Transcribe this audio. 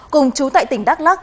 cùng chú tại tỉnh đắk lắc